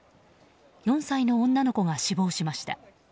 ４歳の女の子が死亡しました。